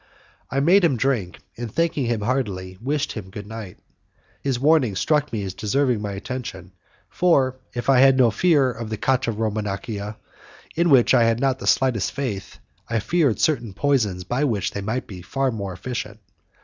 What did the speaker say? I made him drink, and thanking him heartily, wished him good night. His warning struck me as deserving my attention, for, if I had no fear of the 'cataramonachia', in which I had not the slightest faith, I feared certain poisons which might be by far more efficient.